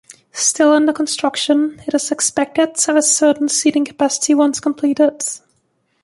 Still under construction, it is expected to have a certain seating capacity once completed.